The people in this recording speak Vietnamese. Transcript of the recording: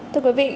thưa quý vị